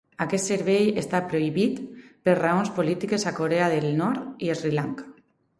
Aquest servei està prohibit per raons polítiques a Corea del Nord i Sri Lanka.